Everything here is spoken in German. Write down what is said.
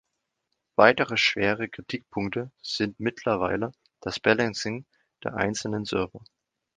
Weitere schwere Kritikpunkte sind mittlerweile das Balancing der einzelnen Server.